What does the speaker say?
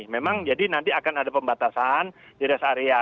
memang jadi nanti akan ada pembatasan di rest area